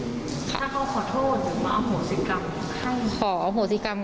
ถ้าเขาขอโทษหรือมาอโหสิกรรมให้